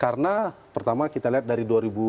karena pertama kita lihat dari dua ribu empat belas